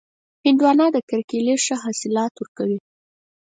هندوانه د کرکېلې ښه حاصلات ورکوي.